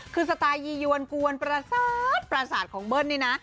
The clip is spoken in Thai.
คือสไตล์ยี่ยวนกวนปราสาทของเบิ้ลนี่นะ